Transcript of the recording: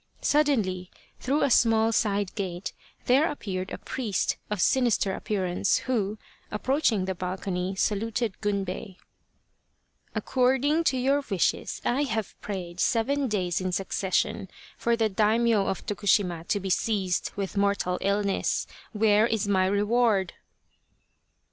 Suddenly, through a small side gate, there appeared a priest of sinister appearance who, approaching the balcony, saluted Gunbei. " According to your wishes I have prayed seven days in succession for the Daimio of Tokushima to be seized with mortal illness. Where is my reward